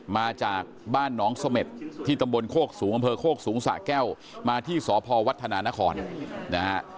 มาจากบ้านหนองเสม็ดที่ตำบลโคกสูงอำเภอโคกสูงสะแก้วมาที่สพวัฒนานครนะฮะ